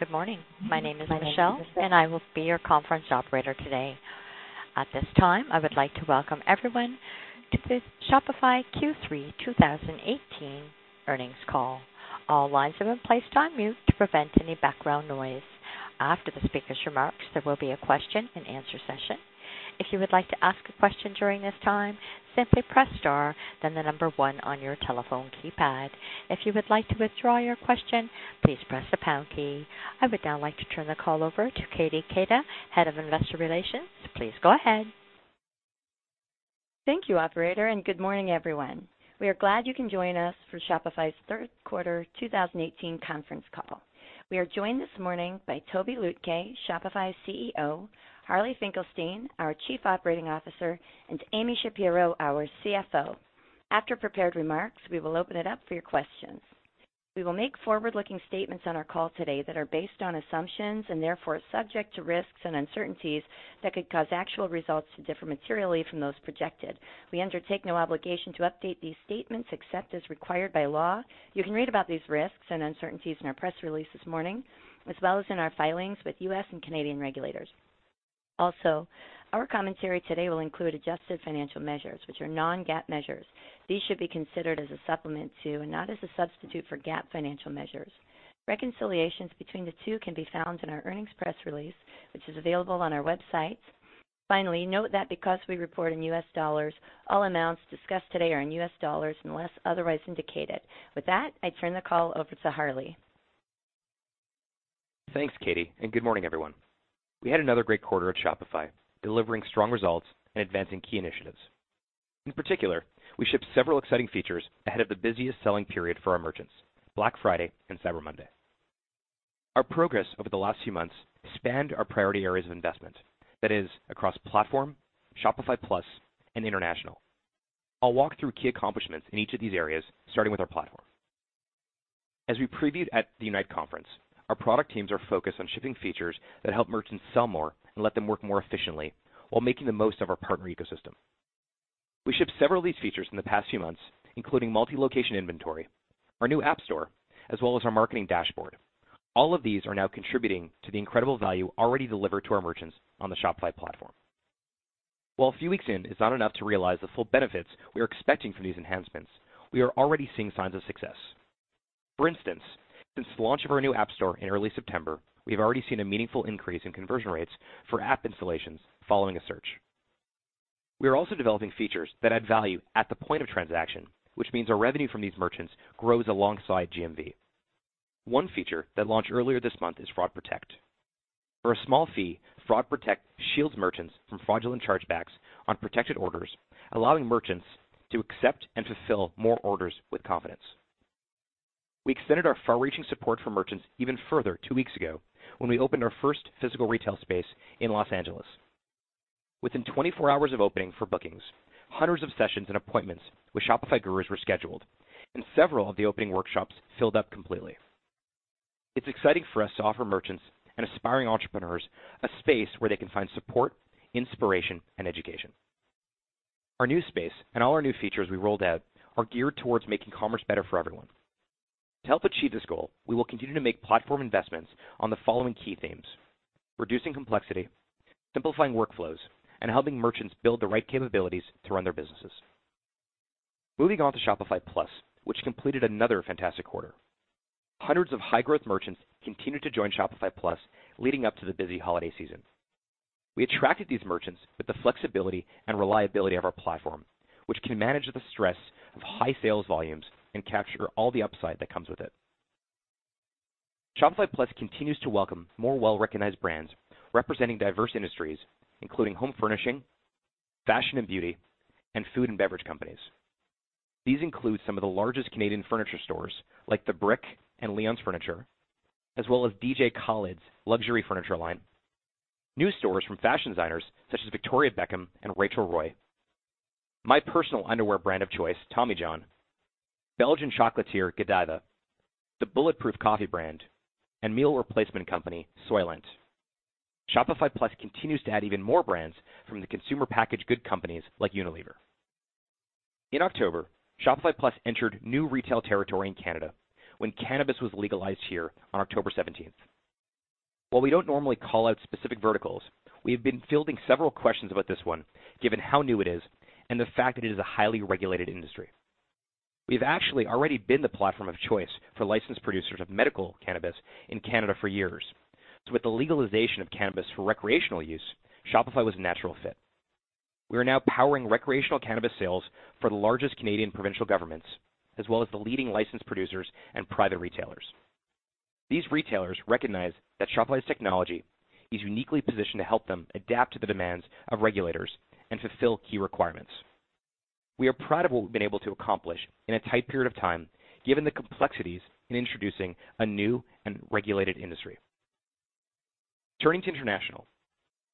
Good morning. My name is Michelle, and I will be your conference operator today. At this time, I would like to welcome everyone to the Shopify Q3 2018 earnings call. All lines have been placed on mute to prevent any background noise. After the speaker's remarks, there will be a question-and-answer session. If you would like to ask a question during this time, simply press star then the number one on your telephone keypad. If you would like to withdraw your question, please press the pound key. I would now like to turn the call over to Katie Keita, Head of Investor Relations. Please go ahead. Thank you, operator, and good morning, everyone. We are glad you can join us for Shopify's third quarter 2018 conference call. We are joined this morning by Tobi Lütke, Shopify's CEO, Harley Finkelstein, our Chief Operating Officer, and Amy Shapero, our CFO. After prepared remarks, we will open it up for your questions. We will make forward-looking statements on our call today that are based on assumptions and therefore subject to risks and uncertainties that could cause actual results to differ materially from those projected. We undertake no obligation to update these statements except as required by law. You can read about these risks and uncertainties in our press release this morning, as well as in our filings with U.S. and Canadian regulators. Also, our commentary today will include adjusted financial measures, which are non-GAAP measures. These should be considered as a supplement to and not as a substitute for GAAP financial measures. Reconciliations between the two can be found in our earnings press release, which is available on our website. Finally, note that because we report in U.S. dollars, all amounts discussed today are in U.S. dollars unless otherwise indicated. With that, I turn the call over to Harley. Thanks, Katie. Good morning, everyone. We had another great quarter at Shopify, delivering strong results and advancing key initiatives. In particular, we shipped several exciting features ahead of the busiest selling period for our merchants, Black Friday and Cyber Monday. Our progress over the last few months spanned our priority areas of investment. That is across platform, Shopify Plus, and international. I'll walk through key accomplishments in each of these areas, starting with our platform. As we previewed at the Unite conference, our product teams are focused on shipping features that help merchants sell more and let them work more efficiently while making the most of our partner ecosystem. We shipped several of these features in the past few months, including multi-location inventory, our new App Store, as well as our marketing dashboard. All of these are now contributing to the incredible value already delivered to our merchants on the Shopify platform. While a few weeks in is not enough to realize the full benefits we are expecting from these enhancements, we are already seeing signs of success. For instance, since the launch of our new App Store in early September, we have already seen a meaningful increase in conversion rates for app installations following a search. We are also developing features that add value at the point of transaction, which means our revenue from these merchants grows alongside GMV. One feature that launched earlier this month is Fraud Protect. For a small fee, Fraud Protect shields merchants from fraudulent chargebacks on protected orders, allowing merchants to accept and fulfill more orders with confidence. We extended our far-reaching support for merchants even further two weeks ago when we opened our first physical retail space in Los Angeles. Within 24 hours of opening for bookings, hundreds of sessions and appointments with Shopify gurus were scheduled, and several of the opening workshops filled up completely. It's exciting for us to offer merchants and aspiring entrepreneurs a space where they can find support, inspiration, and education. Our new space and all our new features we rolled out are geared towards making commerce better for everyone. To help achieve this goal, we will continue to make platform investments on the following key themes, reducing complexity, simplifying workflows, and helping merchants build the right capabilities to run their businesses. Moving on to Shopify Plus, which completed another fantastic quarter. Hundreds of high-growth merchants continued to join Shopify Plus leading up to the busy holiday season. We attracted these merchants with the flexibility and reliability of our platform, which can manage the stress of high sales volumes and capture all the upside that comes with it. Shopify Plus continues to welcome more well-recognized brands representing diverse industries, including home furnishing, fashion and beauty, and food and beverage companies. These include some of the largest Canadian furniture stores like The Brick and Leon's Furniture, as well as DJ Khaled's luxury furniture line. New stores from fashion designers such as Victoria Beckham and Rachel Roy. My personal underwear brand of choice, Tommy John, Belgian chocolatier Godiva, the Bulletproof coffee brand, and meal replacement company Soylent. Shopify Plus continues to add even more brands from the consumer packaged good companies like Unilever. In October, Shopify Plus entered new retail territory in Canada when cannabis was legalized here on October 17th. We don't normally call out specific verticals, we have been fielding several questions about this one, given how new it is and the fact that it is a highly regulated industry. We've actually already been the platform of choice for licensed producers of medical cannabis in Canada for years. With the legalization of cannabis for recreational use, Shopify was a natural fit. We are now powering recreational cannabis sales for the largest Canadian provincial governments, as well as the leading licensed producers and private retailers. These retailers recognize that Shopify's technology is uniquely positioned to help them adapt to the demands of regulators and fulfill key requirements. We are proud of what we've been able to accomplish in a tight period of time, given the complexities in introducing a new and regulated industry. Turning to international,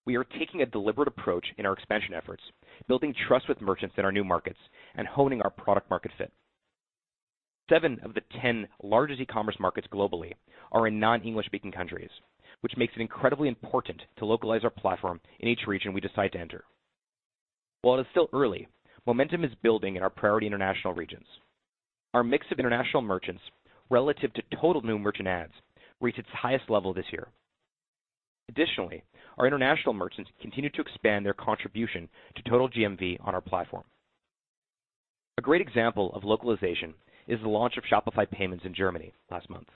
we are taking a deliberate approach in our expansion efforts, building trust with merchants in our new markets and honing our product market fit. Seven of the 10 largest e-commerce markets globally are in non-English speaking countries, which makes it incredibly important to localize our platform in each region we decide to enter. While it is still early, momentum is building in our priority international regions. Our mix of international merchants relative to total new merchant ads reached its highest level this year. Our international merchants continue to expand their contribution to total GMV on our platform. A great example of localization is the launch of Shopify Payments in Germany last month.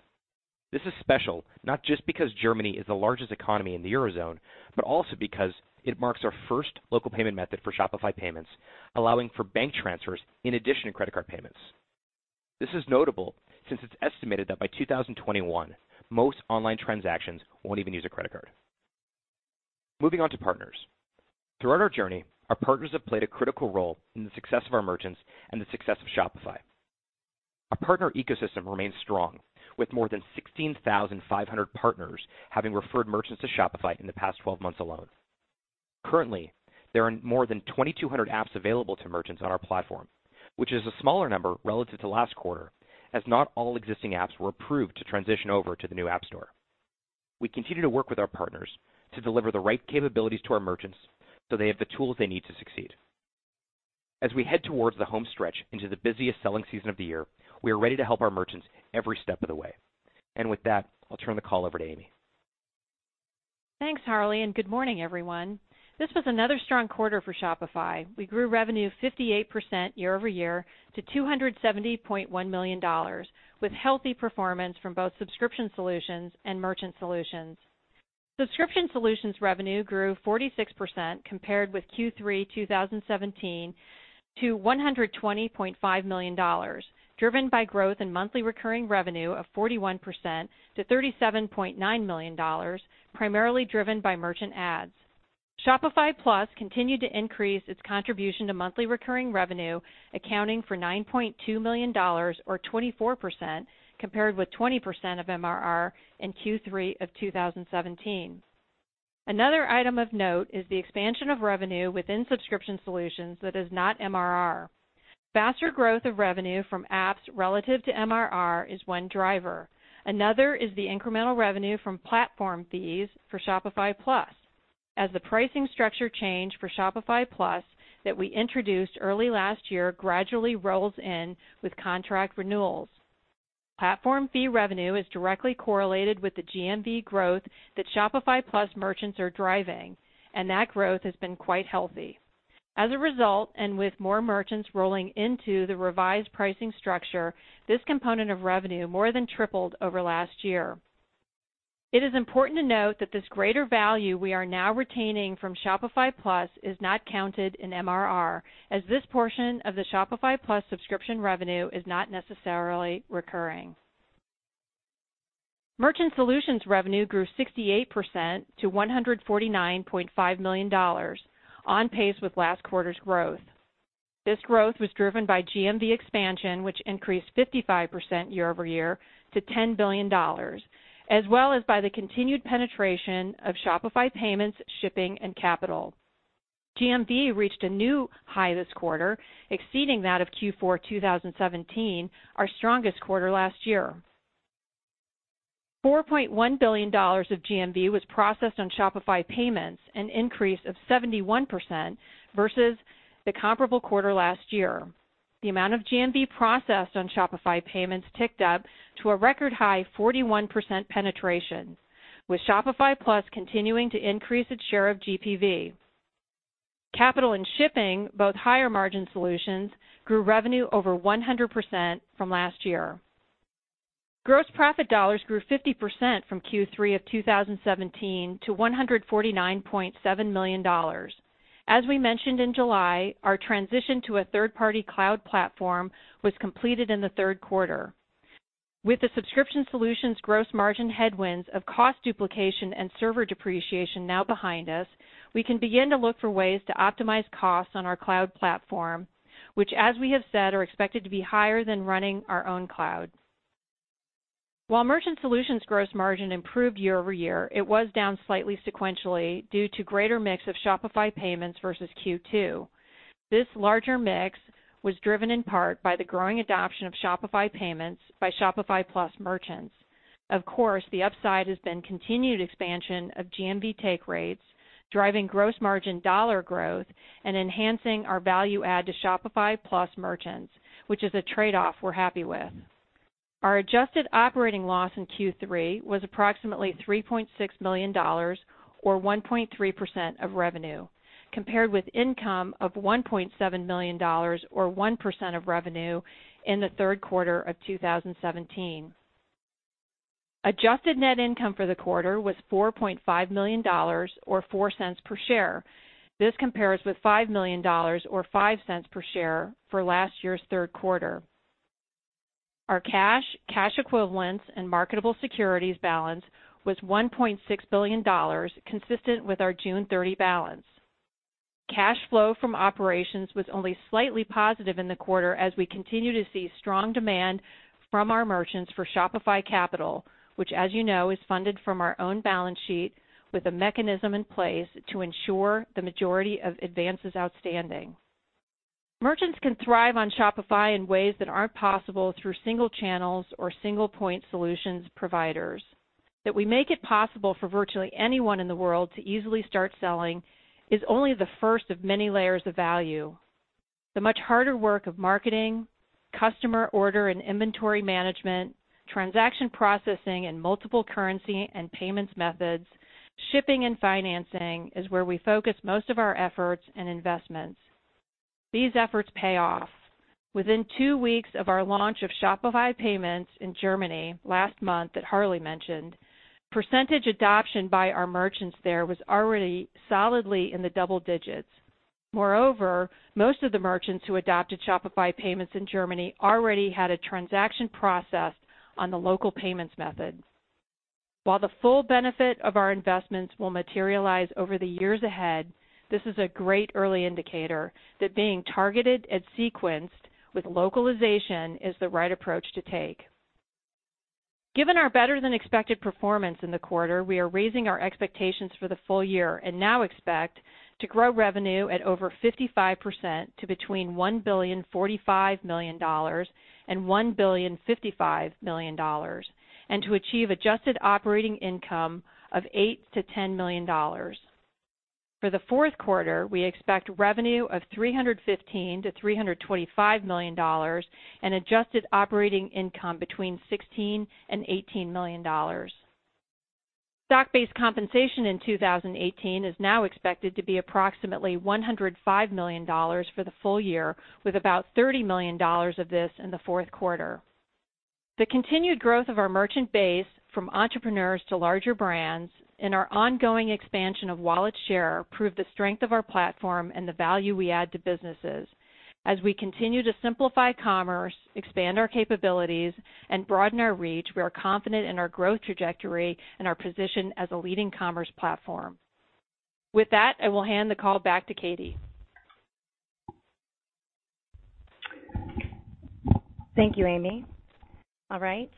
This is special, not just because Germany is the largest economy in the Eurozone, but also because it marks our first local payment method for Shopify Payments, allowing for bank transfers in addition to credit card payments. This is notable since it's estimated that by 2021, most online transactions won't even use a credit card. Moving on to partners. Throughout our journey, our partners have played a critical role in the success of our merchants and the success of Shopify. Our partner ecosystem remains strong with more than 16,500 partners having referred merchants to Shopify in the past 12 months alone. Currently, there are more than 2,200 apps available to merchants on our platform, which is a smaller number relative to last quarter, as not all existing apps were approved to transition over to the new App Store. We continue to work with our partners to deliver the right capabilities to our merchants so they have the tools they need to succeed. As we head towards the home stretch into the busiest selling season of the year, we are ready to help our merchants every step of the way. With that, I'll turn the call over to Amy. Thanks, Harley. Good morning, everyone. This was another strong quarter for Shopify. We grew revenue 58% year-over-year to $270.1 million with healthy performance from both Subscription Solutions and Merchant Solutions. Subscription Solutions revenue grew 46% compared with Q3 2017 to $120.5 million, driven by growth in monthly recurring revenue of 41% to $37.9 million, primarily driven by merchant ads. Shopify Plus continued to increase its contribution to monthly recurring revenue, accounting for $9.2 million or 24% compared with 20% of MRR in Q3 of 2017. Another item of note is the expansion of revenue within Subscription Solutions that is not MRR. Faster growth of revenue from apps relative to MRR is one driver. Another is the incremental revenue from platform fees for Shopify Plus. As the pricing structure change for Shopify Plus that we introduced early last year gradually rolls in with contract renewals. Platform fee revenue is directly correlated with the GMV growth that Shopify Plus merchants are driving, and that growth has been quite healthy. As a result, and with more merchants rolling into the revised pricing structure, this component of revenue more than tripled over last year. It is important to note that this greater value we are now retaining from Shopify Plus is not counted in MRR, as this portion of the Shopify Plus subscription revenue is not necessarily recurring. Merchant Solutions revenue grew 68% to $149.5 million on pace with last quarter's growth. This growth was driven by GMV expansion, which increased 55% year-over-year to $10 billion, as well as by the continued penetration of Shopify Payments, Shipping, and Capital. GMV reached a new high this quarter, exceeding that of Q4 2017, our strongest quarter last year. $4.1 billion of GMV was processed on Shopify Payments, an increase of 71% versus the comparable quarter last year. The amount of GMV processed on Shopify Payments ticked up to a record high 41% penetration, with Shopify Plus continuing to increase its share of GPV. Capital and Shipping, both higher-margin solutions, grew revenue over 100% from last year. Gross profit dollars grew 50% from Q3 2017 to $149.7 million. As we mentioned in July, our transition to a third-party cloud platform was completed in the third quarter. With the Subscription Solutions gross margin headwinds of cost duplication and server depreciation now behind us, we can begin to look for ways to optimize costs on our cloud platform, which as we have said, are expected to be higher than running our own cloud. While Merchant Solutions gross margin improved year-over-year, it was down slightly sequentially due to greater mix of Shopify Payments versus Q2. This larger mix was driven in part by the growing adoption of Shopify Payments by Shopify Plus merchants. Of course, the upside has been continued expansion of GMV take rates, driving gross margin dollar growth and enhancing our value add to Shopify Plus merchants, which is a trade-off we're happy with. Our adjusted operating loss in Q3 was approximately $3.6 million or 1.3% of revenue, compared with income of $1.7 million or 1% of revenue in the third quarter of 2017. Adjusted net income for the quarter was $4.5 million or $0.04 per share. This compares with $5 million or $0.05 per share for last year's third quarter. Our cash equivalents, and marketable securities balance was $1.6 billion, consistent with our June 30 balance. Cash flow from operations was only slightly positive in the quarter as we continue to see strong demand from our merchants for Shopify Capital, which as you know, is funded from our own balance sheet with a mechanism in place to ensure the majority of advances outstanding. Merchants can thrive on Shopify in ways that aren't possible through single channels or single point solutions providers. That we make it possible for virtually anyone in the world to easily start selling is only the first of many layers of value. The much harder work of marketing, customer order and inventory management, transaction processing and multiple currency and payments methods, shipping and financing is where we focus most of our efforts and investments. These efforts pay off. Within two weeks of our launch of Shopify Payments in Germany last month, that Harley mentioned, percentage adoption by our merchants there was already solidly in the double digits. Moreover, most of the merchants who adopted Shopify Payments in Germany already had a transaction processed on the local payments method. While the full benefit of our investments will materialize over the years ahead, this is a great early indicator that being targeted and sequenced with localization is the right approach to take. Given our better than expected performance in the quarter, we are raising our expectations for the full year and now expect to grow revenue at over 55% to between $1.045 billion and $1.055 billion, and to achieve adjusted operating income of $8 million-$10 million. For the fourth quarter, we expect revenue of $315 million-$325 million and adjusted operating income between $16 million and $18 million. Stock-based compensation in 2018 is now expected to be approximately $105 million for the full year, with about $30 million of this in the fourth quarter. The continued growth of our merchant base from entrepreneurs to larger brands and our ongoing expansion of wallet share prove the strength of our platform and the value we add to businesses. As we continue to simplify commerce, expand our capabilities, and broaden our reach, we are confident in our growth trajectory and our position as a leading commerce platform. With that, I will hand the call back to Katie. Thank you, Amy. All right.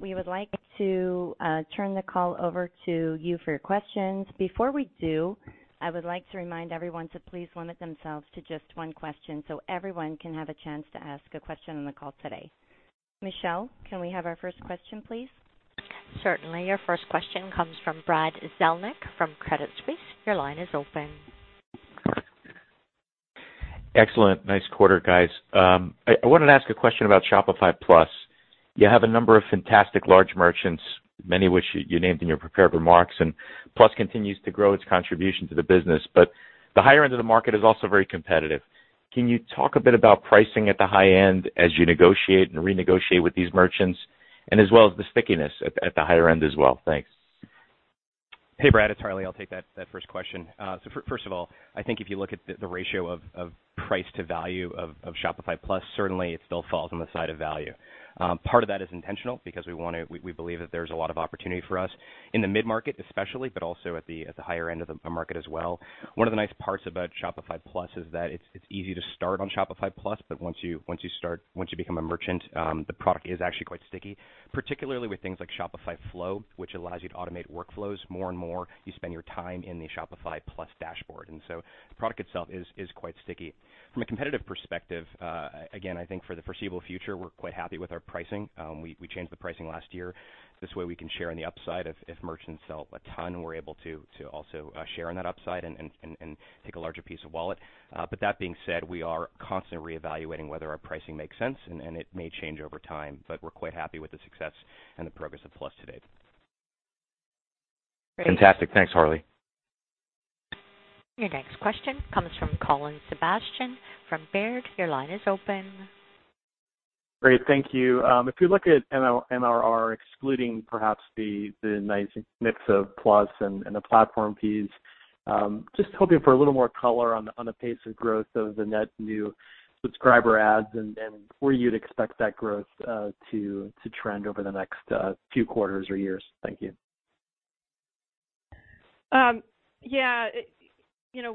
We would like to turn the call over to you for your questions. Before we do, I would like to remind everyone to please limit themselves to just one question so everyone can have a chance to ask a question on the call today. Michelle, can we have our first question, please? Certainly. Your first question comes from Brad Zelnick from Credit Suisse. Your line is open. Excellent. Nice quarter, guys. I wanted to ask a question about Shopify Plus. You have a number of fantastic large merchants, many of which you named in your prepared remarks, and Plus continues to grow its contribution to the business. The higher end of the market is also very competitive. Can you talk a bit about pricing at the high end as you negotiate and renegotiate with these merchants, as well as the stickiness at the higher end as well? Thanks. Hey, Brad, it's Harley. I'll take that first question. first of all, I think if you look at the ratio of price to value of Shopify Plus, certainly it still falls on the side of value. Part of that is intentional because we believe that there's a lot of opportunity for us in the mid-market especially, but also at the higher end of the market as well. One of the nice parts about Shopify Plus is that it's easy to start on Shopify Plus, but once you start, once you become a merchant, the product is actually quite sticky. Particularly with things like Shopify Flow, which allows you to automate workflows more and more, you spend your time in the Shopify Plus dashboard. The product itself is quite sticky. From a competitive perspective, again, I think for the foreseeable future, we're quite happy with our pricing. We changed the pricing last year. This way, we can share in the upside. If merchants sell a ton, we're able to also share in that upside and take a larger piece of wallet. That being said, we are constantly reevaluating whether our pricing makes sense and it may change over time. We're quite happy with the success and the progress of Plus to date. Fantastic. Thanks, Harley. Your next question comes from Colin Sebastian from Baird. Your line is open. Great. Thank you. If you look at MRR, excluding perhaps the nice mix of Plus and the platform fees, just hoping for a little more color on the pace of growth of the net new subscriber adds and where you'd expect that growth to trend over the next few quarters or years. Thank you. Yeah, it, you know,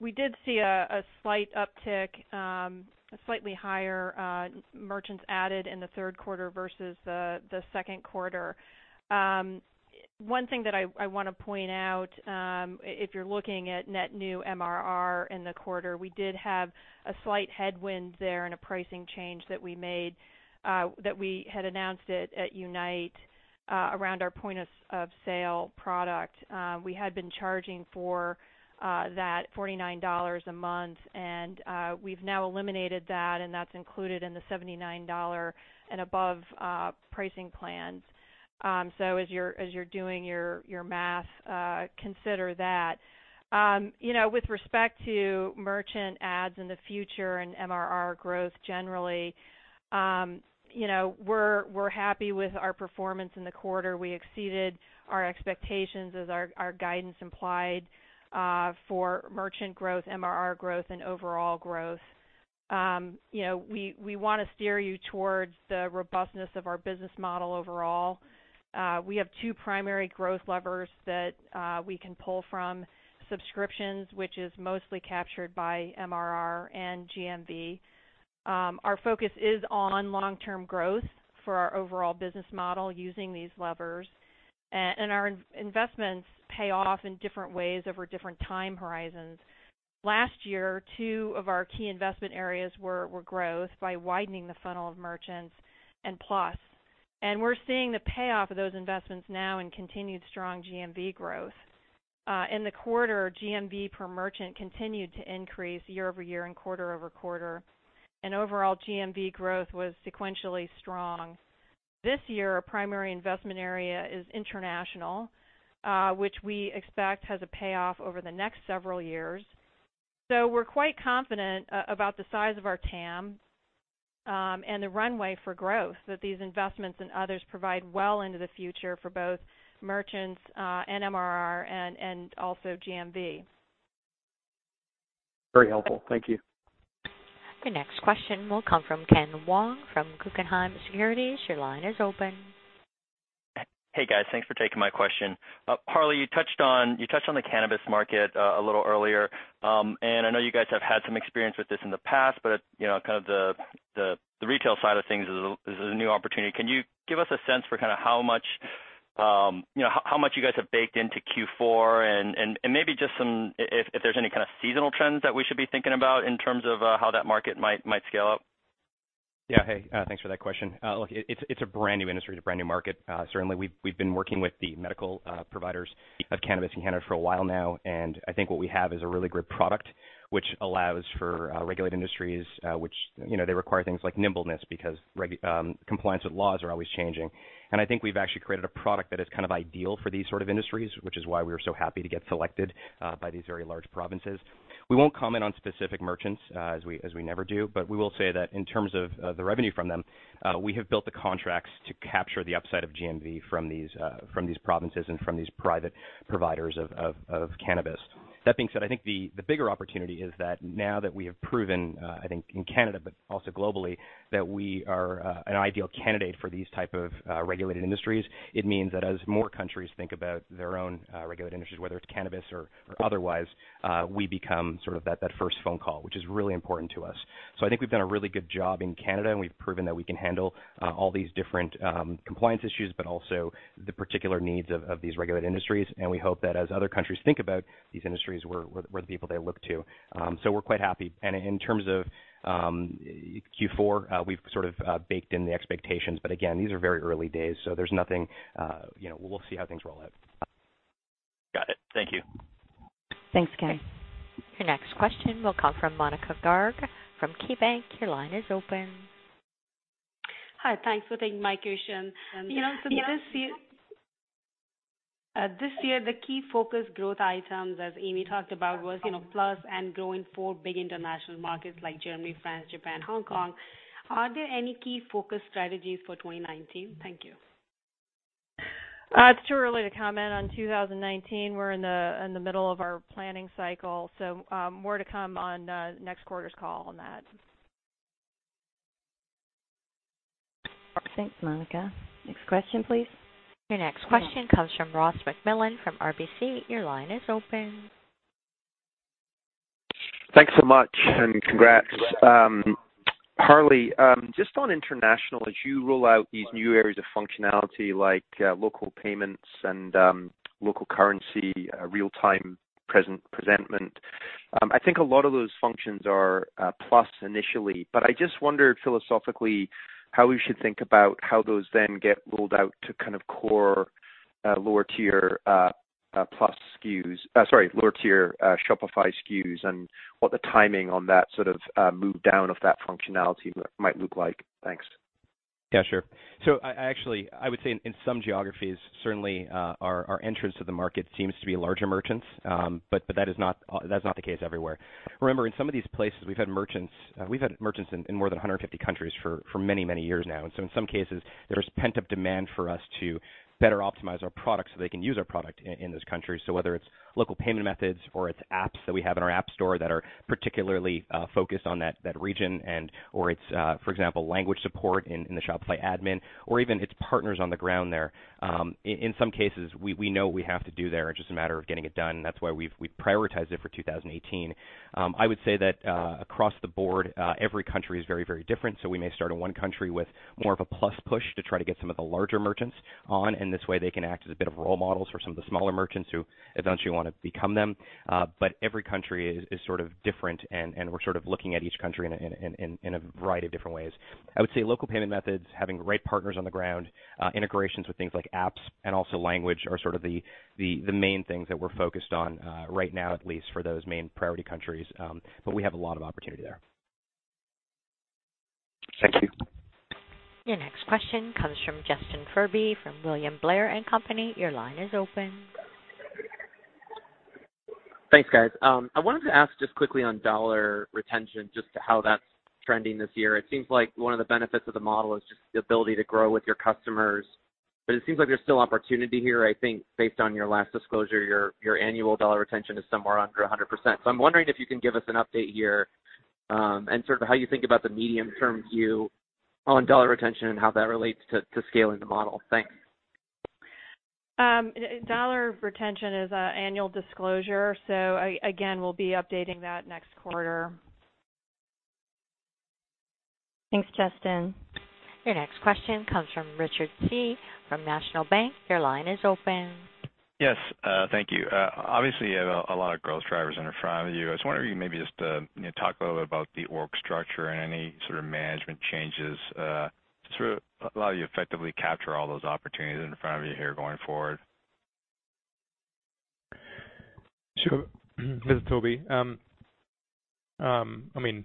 we did see a slight uptick, a slightly higher merchants added in the third quarter versus the second quarter. One thing that I wanna point out, if you're looking at net new MRR in the quarter, we did have a slight headwind there in a pricing change that we made that we had announced it at Unite around our point of sale product. We had been charging for that 49 dollars a month, and we've now eliminated that, and that's included in the 79 dollar and above pricing plans. As you're doing your math, consider that. You know, with respect to merchant adds in the future and MRR growth generally, you know, we're happy with our performance in the quarter. We exceeded our expectations as our guidance implied for merchant growth, MRR growth, and overall growth. You know, we wanna steer you towards the robustness of our business model overall. We have two primary growth levers that we can pull from, subscriptions, which is mostly captured by MRR and GMV. Our focus is on long-term growth for our overall business model using these levers. Our investments pay off in different ways over different time horizons. Last year, two of our key investment areas were growth by widening the funnel of merchants and Plus. We're seeing the payoff of those investments now in continued strong GMV growth. In the quarter, GMV per merchant continued to increase year-over-year and quarter-over-quarter. Overall GMV growth was sequentially strong. This year, our primary investment area is international, which we expect has a payoff over the next several years. We're quite confident about the size of our TAM and the runway for growth that these investments and others provide well into the future for both merchants and MRR and also GMV. Very helpful. Thank you. The next question will come from Ken Wong from Guggenheim Securities. Hey, guys. Thanks for taking my question. Harley, you touched on the cannabis market a little earlier. I know you guys have had some experience with this in the past, but, you know, kind of the retail side of things is a new opportunity. Can you give us a sense for kinda how much, you know, how much you guys have baked into Q4? Maybe just some If there's any kind of seasonal trends that we should be thinking about in terms of how that market might scale up. Yeah. Hey, thanks for that question. Look, it's, it's a brand new industry, it's a brand new market. Certainly we've been working with the medical providers of cannabis in Canada for a while now, and I think what we have is a really great product which allows for regulated industries, which, you know, they require things like nimbleness because compliance with laws are always changing. I think we've actually created a product that is kind of ideal for these sort of industries, which is why we were so happy to get selected by these very large provinces. We won't comment on specific merchants, as we never do, but we will say that in terms of the revenue from them, we have built the contracts to capture the upside of GMV from these provinces and from these private providers of cannabis. That being said, I think the bigger opportunity is that now that we have proven, I think in Canada but also globally, that we are an ideal candidate for these type of regulated industries, it means that as more countries think about their own regulated industries, whether it's cannabis or otherwise, we become sort of that first phone call, which is really important to us. I think we've done a really good job in Canada, and we've proven that we can handle all these different compliance issues, but also the particular needs of these regulated industries. We hope that as other countries think about these industries, we're the people they look to. We're quite happy. In terms of Q4, we've sort of baked in the expectations. Again, these are very early days, so there's nothing, you know, we'll see how things roll out. Got it. Thank you. Thanks, Ken. Your next question will come from Monika Garg from KeyBank. Your line is open. Hi. Thanks for taking my question. You know, this year, the key focus growth items, as Amy talked about, was, you know, Plus and growing four big international markets like Germany, France, Japan, Hong Kong. Are there any key focus strategies for 2019? Thank you. It's too early to comment on 2019. We're in the middle of our planning cycle, more to come on next quarter's call on that. Thanks, Monika. Next question, please. Your next question comes from Ross MacMillan from RBC. Your line is open. Thanks so much, congrats. Harley, just on international, as you roll out these new areas of functionality like local payments and local currency, real-time presentment, I think a lot of those functions are Plus initially. I just wondered philosophically how we should think about how those then get rolled out to kind of core, lower tier, Shopify SKUs, and what the timing on that sort of move down of that functionality might look like. Thanks. Yeah, sure. I actually, I would say in some geographies, certainly, our entrance to the market seems to be larger merchants. But that is not, that's not the case everywhere. Remember, in some of these places, we've had merchants in more than 150 countries for many, many years now. In some cases, there's pent-up demand for us to better optimize our product so they can use our product in those countries. Whether it's local payment methods or it's apps that we have in our Shopify App Store that are particularly focused on that region or it's, for example, language support in the Shopify admin, or even it's partners on the ground there. In some cases, we know what we have to do there. It's just a matter of getting it done. That's why we prioritized it for 2018. I would say that across the board, every country is very, very different. We may start in one country with more of a Plus push to try to get some of the larger merchants on, and this way, they can act as a bit of role models for some of the smaller merchants who eventually wanna become them. Every country is sort of different, and we're sort of looking at each country in a variety of different ways. I would say local payment methods, having the right partners on the ground, integrations with things like apps and also language are sort of the main things that we're focused on right now, at least for those main priority countries. We have a lot of opportunity there. Thank you. Your next question comes from Justin Furby from William Blair & Company. Thanks, guys. I wanted to ask just quickly on dollar retention, just how that's trending this year. It seems like one of the benefits of the model is just the ability to grow with your customers. It seems like there's still opportunity here. I think based on your last disclosure, your annual dollar retention is somewhere under 100%. I'm wondering if you can give us an update here, and sort of how you think about the medium-term view on dollar retention and how that relates to scaling the model. Thanks. Dollar retention is annual disclosure. Again, we'll be updating that next quarter. Thanks, Justin. Your next question comes from Richard Tse from National Bank. Your line is open. Yes. Thank you. Obviously, you have a lot of growth drivers in front of you. I was wondering if you maybe just, you know, talk a little bit about the org structure and any sort of management changes to allow you effectively capture all those opportunities in front of you here going forward. Sure. This is Tobi. I mean,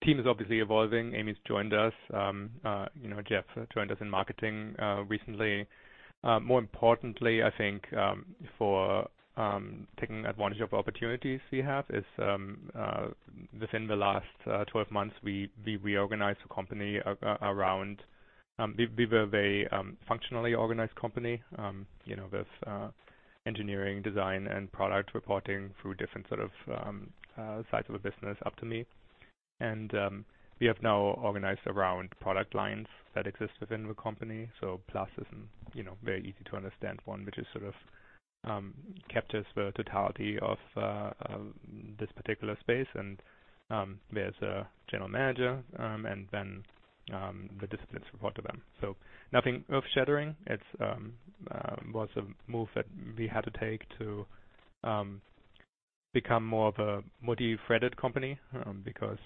the team is obviously evolving. Amy's joined us. You know, Jeff joined us in marketing recently. More importantly, I think, for taking advantage of opportunities we have is within the last 12 months, we reorganized the company around. We were very functionally organized company, you know, with engineering, design, and product reporting through different sort of sides of the business up to me. We have now organized around product lines that exist within the company. Plus is, you know, very easy to understand one, which is sort of captures the totality of this particular space. There's a general manager, and then the disciplines report to them. Nothing earth-shattering. It was a move that we had to take to become more of a multi-threaded company because,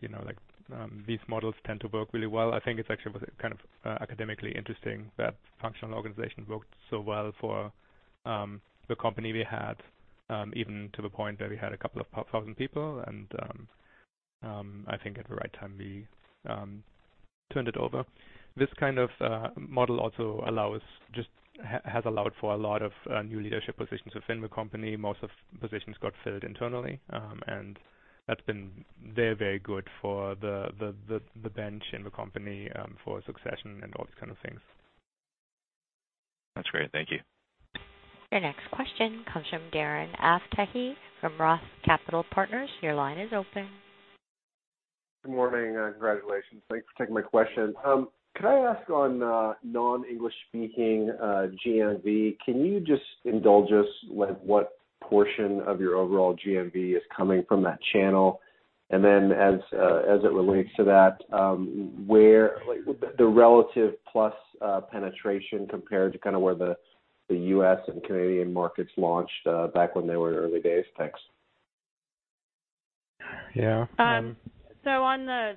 you know, like, these models tend to work really well. I think it actually was kind of academically interesting that functional organization worked so well for the company we had even to the point where we had a couple of thousand people. I think at the right time, we turned it over. This kind of model also allows just has allowed for a lot of new leadership positions within the company. Most of positions got filled internally, and that's been very, very good for the bench in the company for succession and all these kind of things. That's great. Thank you. Your next question comes from Darren Aftahi from ROTH Capital Partners. Your line is open. Good morning, and congratulations. Thanks for taking my question. Could I ask on non-English speaking GMV, can you just indulge us with what portion of your overall GMV is coming from that channel? Then as it relates to that, where the relative Plus penetration compared to kind of where the U.S. and Canadian markets launched back when they were in early days. Thanks. Yeah. On the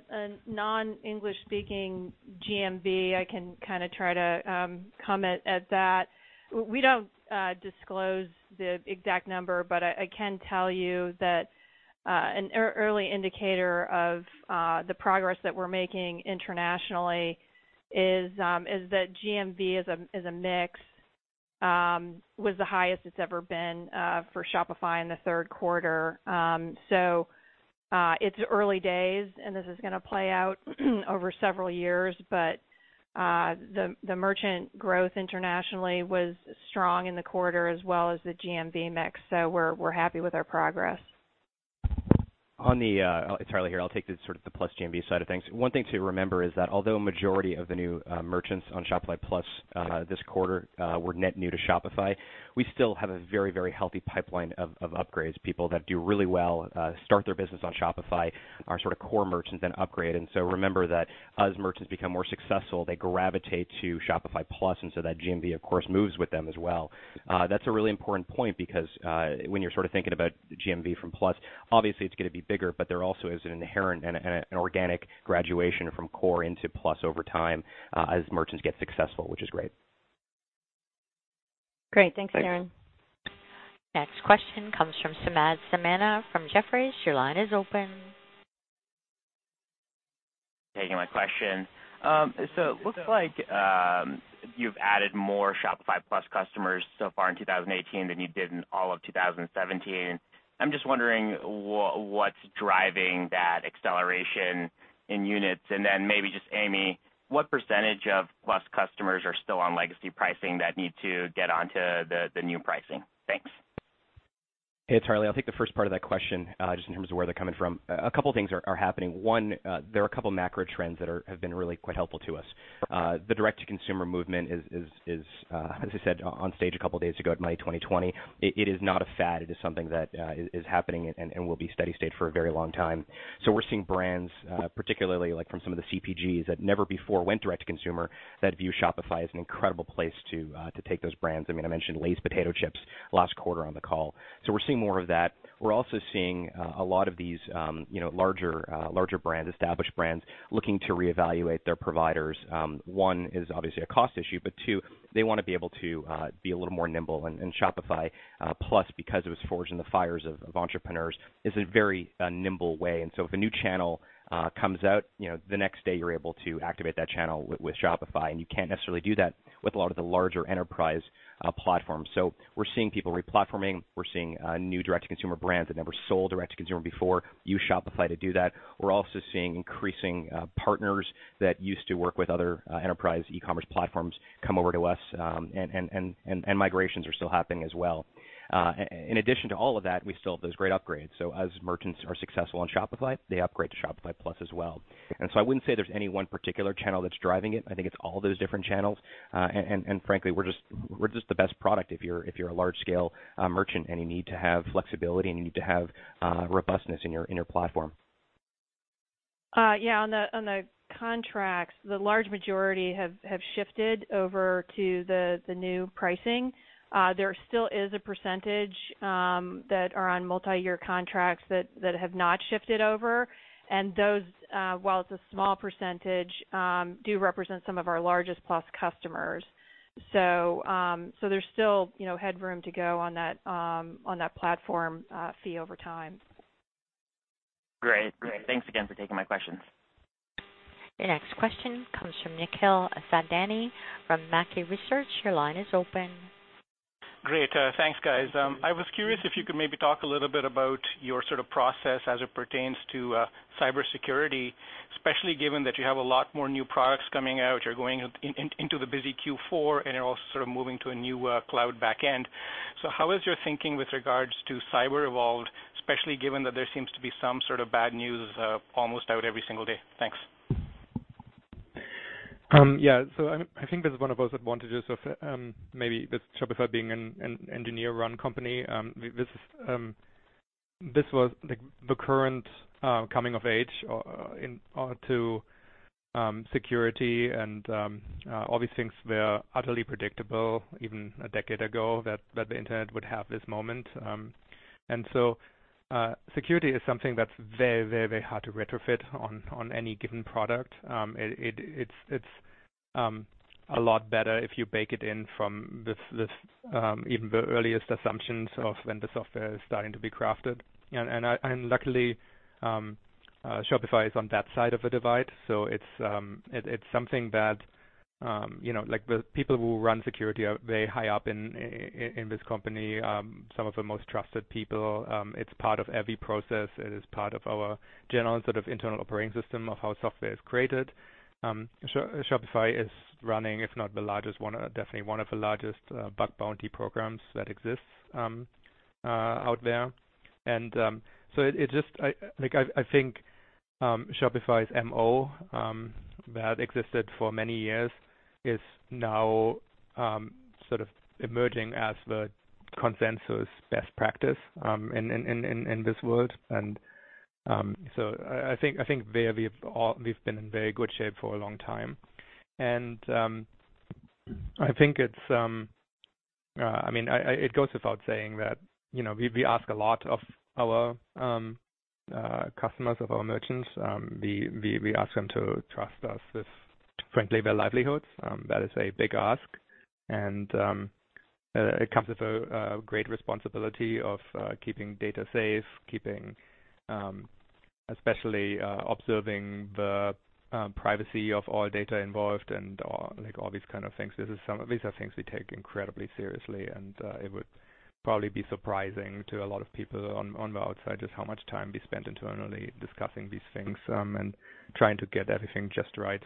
non-English speaking GMV, I can try to comment at that. We don't disclose the exact number, but I can tell you that an early indicator of the progress that we're making internationally is that GMV as a mix was the highest it's ever been for Shopify in the third quarter. It's early days, and this is gonna play out over several years. The merchant growth internationally was strong in the quarter as well as the GMV mix. We're happy with our progress. On the, it's Harley here. I'll take the sort of the Plus GMV side of things. One thing to remember is that although majority of the new merchants on Shopify Plus, this quarter, were net new to Shopify, we still have a very, very healthy pipeline of upgrades. People that do really well, start their business on Shopify are sort of core merchants, then upgrade. Remember that as merchants become more successful, they gravitate to Shopify Plus, and so that GMV, of course, moves with them as well. That's a really important point because, when you're sort of thinking about GMV from Plus, obviously it's gonna be bigger, but there also is an inherent and an organic graduation from core into Plus over time, as merchants get successful, which is great. Great. Thanks, Darren. Thanks. Next question comes from Samad Samana from Jefferies. Your line is open. Taking my question. It looks like you've added more Shopify Plus customers so far in 2018 than you did in all of 2017. I'm just wondering what's driving that acceleration in units. Maybe just Amy, what % of Plus customers are still on legacy pricing that need to get onto the new pricing? Thanks. Hey, it's Harley. I'll take the first part of that question, just in terms of where they're coming from. A couple things are happening. One, there are a couple of macro trends that are, have been really quite helpful to us. The direct to consumer movement is, as I said on stage a couple of days ago at Money20/20, it is not a fad. It is something that is happening and will be steady-state for a very long time. We're seeing brands, particularly like from some of the CPGs that never before went direct to consumer that view Shopify as an incredible place to take those brands. I mean, I mentioned Lay's potato chips last quarter on the call. We're seeing more of that. We're also seeing, you know, larger brands, established brands, looking to reevaluate their providers. One is obviously a cost issue, but two, they want to be able to be a little more nimble. Shopify Plus because it was forged in the fires of entrepreneurs, is a very nimble way. If a new channel comes out, you know, the next day, you're able to activate that channel with Shopify, and you can't necessarily do that with a lot of the larger enterprise platforms. We're seeing people re-platforming. We're seeing new direct to consumer brands that never sold direct to consumer before use Shopify to do that. We're also seeing increasing partners that used to work with other enterprise e-commerce platforms come over to us, and migrations are still happening as well. In addition to all of that, we still have those great upgrades. As merchants are successful on Shopify, they upgrade to Shopify Plus as well. I wouldn't say there's any one particular channel that's driving it. I think it's all those different channels. Frankly, we're just the best product if you're a large scale merchant and you need to have flexibility and you need to have robustness in your platform. On the contracts, the large majority have shifted over to the new pricing. There still is a percentage that are on multi-year contracts that have not shifted over. Those, while it's a small percentage, do represent some of our largest Plus customers. There's still, you know, headroom to go on that on that platform fee over time. Great. Great. Thanks again for taking my questions. Your next question comes from Nikhil Thadani from Mackie Research. Your line is open. Great. Thanks, guys. I was curious if you could maybe talk a little bit about your sort of process as it pertains to cybersecurity, especially given that you have a lot more new products coming out, you're going into the busy Q4, and you're also sort of moving to a new cloud backend. How is your thinking with regards to cyber evolved, especially given that there seems to be some sort of bad news almost out every single day? Thanks. Yeah. I think this is one of those advantages of maybe with Shopify being an engineer-run company. This was like the current coming of age in to security and all these things were utterly predictable even a decade ago that the internet would have this moment. Security is something that's very, very, very hard to retrofit on any given product. It's a lot better if you bake it in from the even the earliest assumptions of when the software is starting to be crafted. Luckily, Shopify is on that side of the divide, so it is something that, you know, like, the people who run security are very high up in this company, some of the most trusted people. It is part of every process. It is part of our general sort of internal operating system of how software is created. Shopify is running, if not the largest one, definitely one of the largest bug bounty programs that exists out there. So it just I, like I think Shopify's MO that existed for many years is now sort of emerging as the consensus best practice in this world. I think there we've been in very good shape for a long time. I think it's, I mean, I it goes without saying that, you know, we ask a lot of our customers, of our merchants. We ask them to trust us with, frankly, their livelihoods. That is a big ask. It comes with a great responsibility of keeping data safe, keeping, especially, observing the privacy of all data involved and all, like, all these kind of things. This is some of these are things we take incredibly seriously, and, it would probably be surprising to a lot of people on the outside just how much time we spend internally discussing these things, and trying to get everything just right.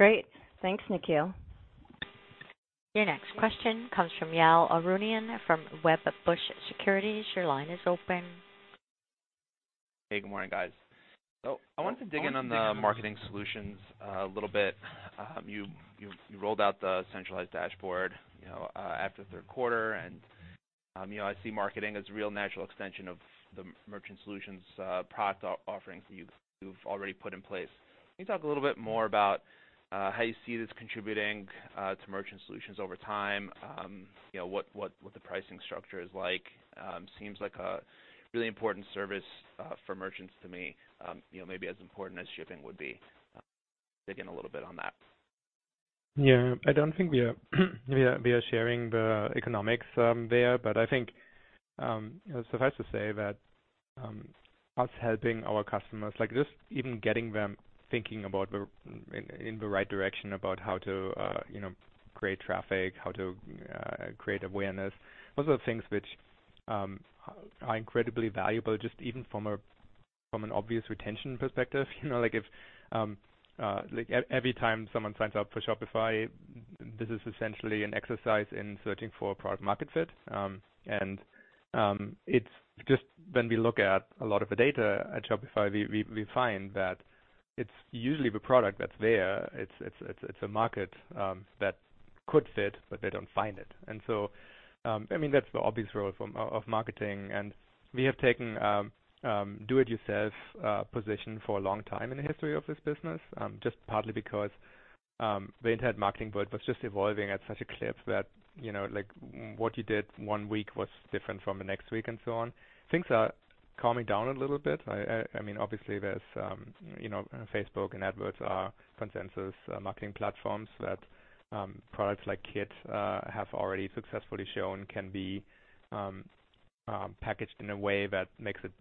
Great. Thanks, Nikhil. Your next question comes from Ygal Arounian from Wedbush Securities. Your line is open. Hey, good morning, guys. I wanted to dig in on the marketing solutions a little bit. You rolled out the centralized dashboard, you know, after the third quarter. I see marketing as a real natural extension of the merchant solutions product offerings that you've already put in place. Can you talk a little bit more about how you see this contributing to merchant solutions over time? You know, what the pricing structure is like? Seems like a really important service for merchants to me, you know, maybe as important as shipping would be. Dig in a little bit on that. Yeah. I don't think we are sharing the economics there, but I think, you know, suffice to say that us helping our customers, like just even getting them thinking in the right direction about how to, you know, create traffic, how to create awareness, those are things which are incredibly valuable just even from a from an obvious retention perspective. You know, like if every time someone signs up for Shopify, this is essentially an exercise in searching for a product market fit. It's just when we look at a lot of the data at Shopify, we find that it's usually the product that's there. It's a market that could fit, but they don't find it. I mean, that's the obvious role from, of marketing. We have taken a do-it-yourself position for a long time in the history of this business, just partly because the internet marketing world was just evolving at such a clip that, you know, like what you did one week was different from the next week and so on. Things are calming down a little bit. I mean, obviously there's, you know, Facebook and AdWords are consensus marketing platforms that products like Kit have already successfully shown can be packaged in a way that makes it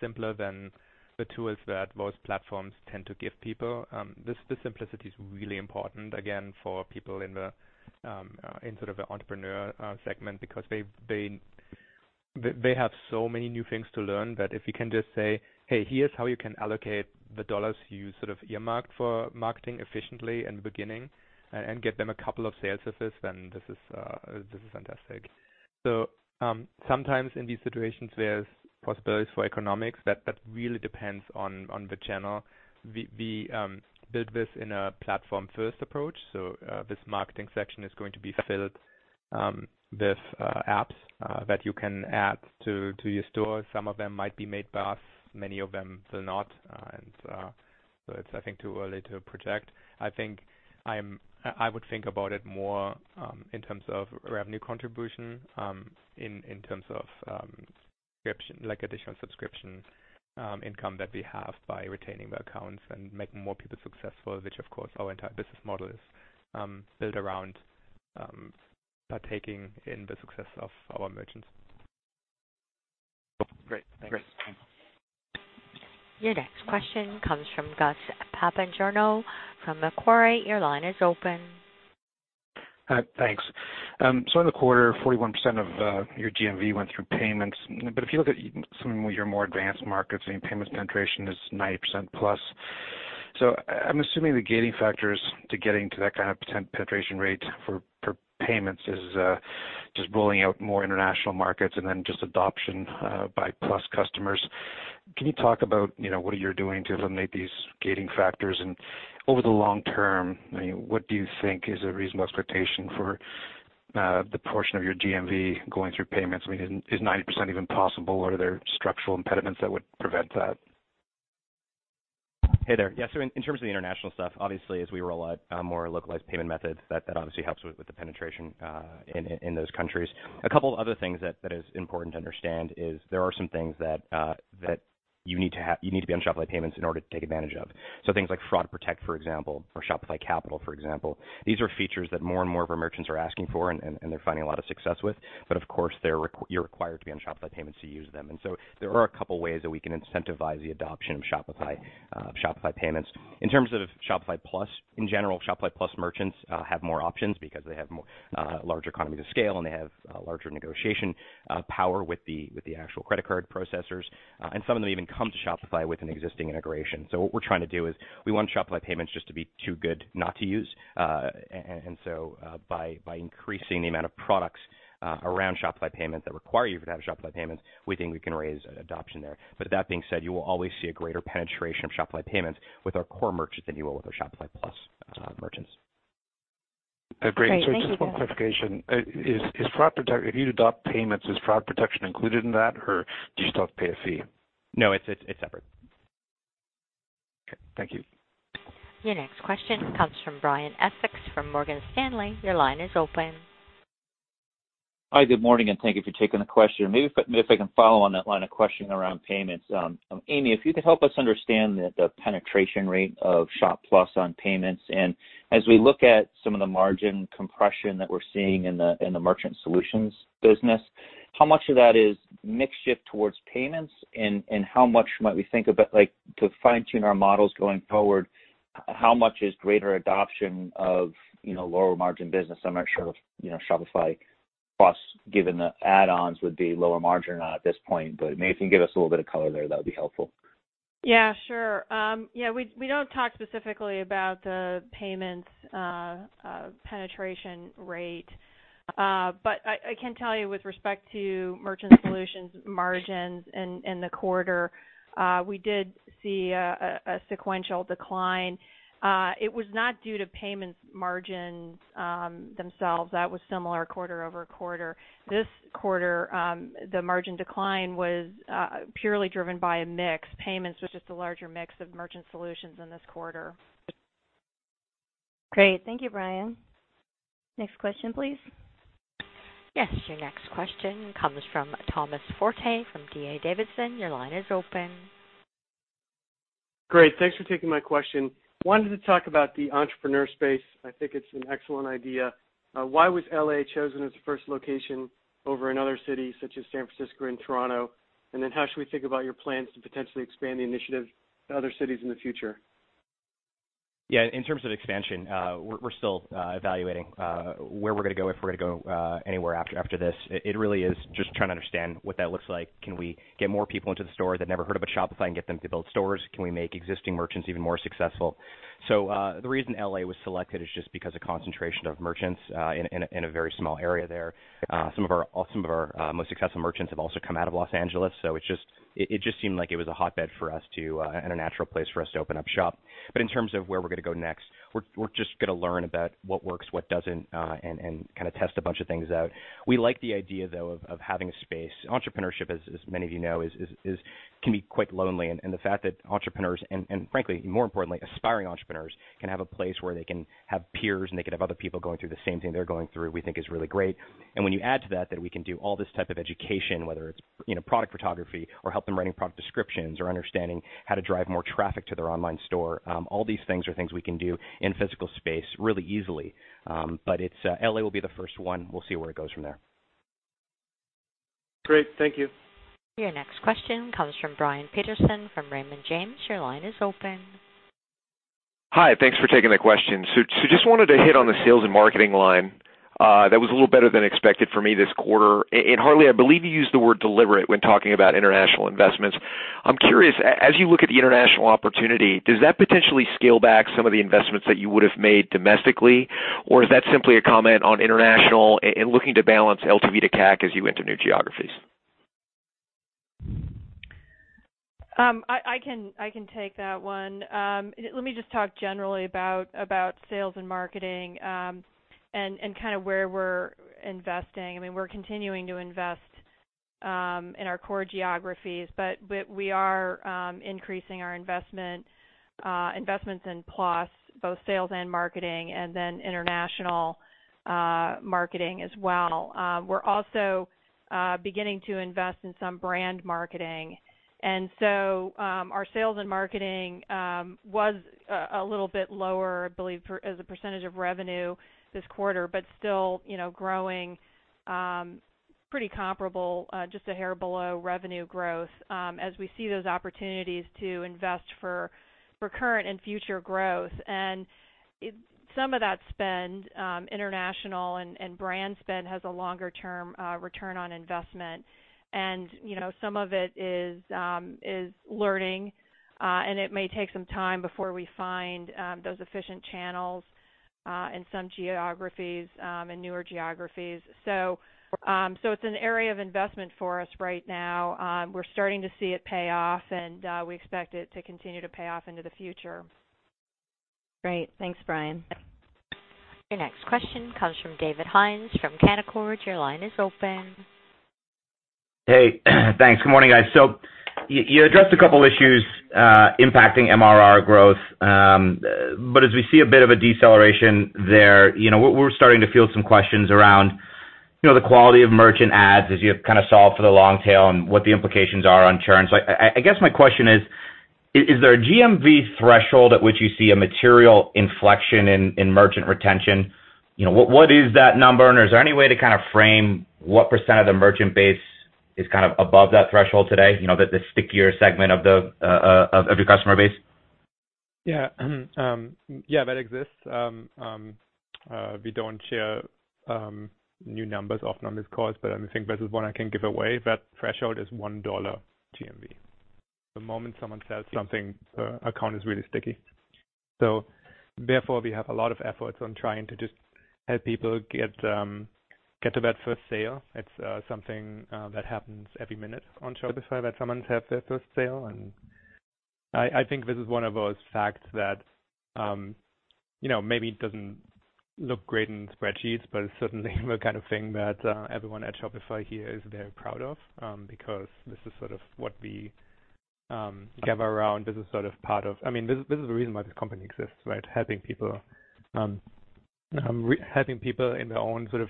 simpler than the tools that most platforms tend to give people. This simplicity is really important, again, for people in the in sort of the entrepreneur segment because they have so many new things to learn that if you can just say, "Hey, here's how you can allocate the dollars you sort of earmarked for marketing efficiently in the beginning, and get them a couple of sales with this, then this is fantastic. Sometimes in these situations, there's possibilities for economics. That really depends on the channel. We build this in a platform-first approach. This marketing section is going to be filled with apps that you can add to your store. Some of them might be made by us, many of them will not. So it's, I think, too early to project. I would think about it more in terms of revenue contribution, in terms of Subscription, like additional subscription income that we have by retaining the accounts and make more people successful, which of course our entire business model is built around partaking in the success of our merchants. Great. Thanks. Great. Thanks. Your next question comes from Gus Papageorgiou from Macquarie. Your line is open. Thanks. In the quarter, 41% of your GMV went through payments. If you look at some of your more advanced markets, I mean payment penetration is 90% plus. I'm assuming the gating factors to getting to that kind of penetration rate for payments is just rolling out more international markets and then just adoption by Plus customers. Can you talk about, you know, what are you doing to eliminate these gating factors? Over the long term, I mean, what do you think is a reasonable expectation for the portion of your GMV going through payments? I mean, is 90% even possible, or are there structural impediments that would prevent that? Hey there. In terms of the international stuff, obviously as we roll out more localized payment methods, that obviously helps with the penetration in those countries. A couple other things that is important to understand is there are some things that you need to be on Shopify Payments in order to take advantage of. Things like Fraud Protect, for example, or Shopify Capital, for example. These are features that more and more of our merchants are asking for and they're finding a lot of success with. Of course you're required to be on Shopify Payments to use them. There are a couple ways that we can incentivize the adoption of Shopify Payments. In terms of Shopify Plus, in general, Shopify Plus merchants have more options because they have more, larger economies of scale, and they have larger negotiation power with the, with the actual credit card processors. Some of them even come to Shopify with an existing integration. What we're trying to do is we want Shopify Payments just to be too good not to use. By increasing the amount of products around Shopify Payments that require you to have Shopify Payments, we think we can raise adoption there. That being said, you will always see a greater penetration of Shopify Payments with our core merchants than you will with our Shopify Plus merchants Just one clarification. Is fraud protection included in that, or do you still have to pay a fee? No, it's separate. Okay. Thank you. Your next question comes from Brian Essex from Morgan Stanley. Your line is open. Hi. Good morning, and thank you for taking the question. Maybe if I can follow on that line of questioning around payments. Amy, if you could help us understand the penetration rate of Shopify Plus on payments. As we look at some of the margin compression that we're seeing in the merchant solutions business, how much of that is mix shift towards payments, and how much might we think about, like to fine-tune our models going forward, how much is greater adoption of, you know, lower margin business? I'm not sure if, you know, Shopify Plus, given the add-ons, would be lower margin or not at this point. Maybe if you can give us a little bit of color there, that would be helpful. Yeah, sure. Yeah, we don't talk specifically about the payments penetration rate. I can tell you with respect to merchant solutions margins in the quarter, we did see a sequential decline. It was not due to payments margins themselves. That was similar quarter-over-quarter. This quarter, the margin decline was purely driven by a mix. Payments was just a larger mix of merchant solutions in this quarter. Great. Thank you, Brian. Next question, please. Yes, your next question comes from Thomas Forte from D.A. Davidson. Your line is open. Great. Thanks for taking my question. Wanted to talk about the entrepreneur space. I think it's an excellent idea. Why was L.A. chosen as the first location over another city such as San Francisco and Toronto? How should we think about your plans to potentially expand the initiative to other cities in the future? Yeah. In terms of expansion, we're still evaluating where we're gonna go, if we're gonna go anywhere after this. It really is just trying to understand what that looks like. Can we get more people into the store that never heard of a Shopify and get them to build stores? Can we make existing merchants even more successful? The reason L.A. was selected is just because the concentration of merchants in a very small area there. Some of our most successful merchants have also come out of Los Angeles, so it just seemed like it was a hotbed for us to and a natural place for us to open up shop. In terms of where we're gonna go next, we're just gonna learn about what works, what doesn't, and kind of test a bunch of things out. We like the idea, though, of having a space. Entrepreneurship, as many of you know, is, can be quite lonely. The fact that entrepreneurs and frankly, more importantly, aspiring entrepreneurs can have a place where they can have peers and they can have other people going through the same thing they're going through, we think is really great. When you add to that we can do all this type of education, whether it's, you know, product photography or help them writing product descriptions or understanding how to drive more traffic to their online store, all these things are things we can do in physical space really easily. It's L.A. will be the first one. We'll see where it goes from there. Great. Thank you. Your next question comes from Brian Peterson from Raymond James. Your line is open. Hi. Thanks for taking the question. Just wanted to hit on the sales and marketing line, that was a little better than expected for me this quarter. Harley, I believe you used the word deliberate when talking about international investments. I'm curious, as you look at the international opportunity, does that potentially scale back some of the investments that you would have made domestically, or is that simply a comment on international and looking to balance LTV to CAC as you enter new geographies? I can take that one. Let me just talk generally about sales and marketing, and kind of where we're investing. I mean, we're continuing to invest in our core geographies. We are increasing our investment, investments in Plus, both sales and marketing, and then international marketing as well. We're also beginning to invest in some brand marketing. Our sales and marketing was a little bit lower, I believe as a percentage of revenue this quarter, but still, you know, growing pretty comparable, just a hair below revenue growth, as we see those opportunities to invest for current and future growth. Some of that spend, international and brand spend, has a longer-term return on investment. You know, some of it is learning, and it may take some time before we find those efficient channels in some geographies and newer geographies. It's an area of investment for us right now. We're starting to see it pay off, and we expect it to continue to pay off into the future. Great. Thanks, Brian. Your next question comes from David Hynes from Canaccord. Your line is open. Hey. Thanks. Good morning, guys. You addressed a couple issues impacting MRR growth. As we see a bit of a deceleration there, you know, we're starting to field some questions around, you know, the quality of merchant adds as you kind of solve for the long tail, and what the implications are on churn. I guess my question is there a GMV threshold at which you see a material inflection in merchant retention? You know, what is that number? And is there any way to kind of frame what percent of the merchant base is kind of above that threshold today, you know, the stickier segment of the customer base? Yeah, that exists. We don't share new numbers often on this call, but I think this is one I can give away. That threshold is $1 GMV. The moment someone sells something, the account is really sticky. Therefore, we have a lot of efforts on trying to just help people get to that first sale. It's something that happens every minute on Shopify, that someone has their first sale. I think this is one of those facts that, you know, maybe it doesn't look great in spreadsheets, but it's certainly the kind of thing that everyone at Shopify here is very proud of, because this is sort of what we gather around. This is sort of part of I mean, this is the reason why this company exists, right? Helping people in their own sort of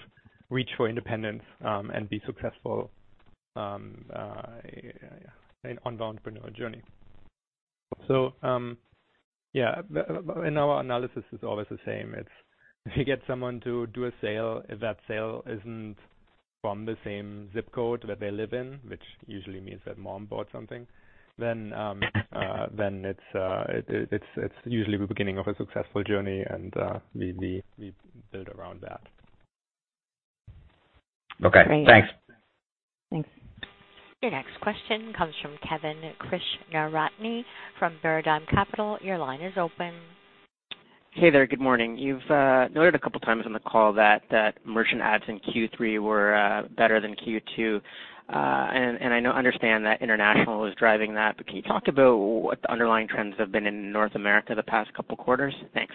reach for independence and be successful, yeah, on the entrepreneurial journey. Yeah, in our analysis it's always the same. It's to get someone to do a sale, if that sale isn't from the same zip code that they live in, which usually means that mom bought something, then it's usually the beginning of a successful journey, and we build around that. Okay. Great. Thanks. Thanks. Your next question comes from Kevin Krishnaratne from Paradigm Capital. Your line is open. Hey there. Good morning. You've noted 2 times on the call that merchant adds in Q3 were better than Q2. I understand that international is driving that, but can you talk about what the underlying trends have been in North America the past two quarters? Thanks.